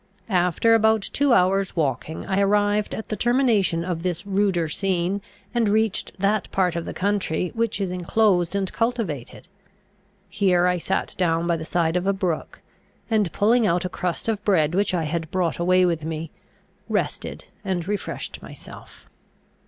After about two hours walking I arrived at the termination of this ruder scene, and reached that part of the country which is inclosed and cultivated. Here I sat down by the side of a brook, and, pulling out a crust of bread which I had brought away with me, rested and refreshed myself.